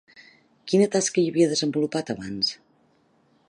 Quina tasca hi havia desenvolupat abans?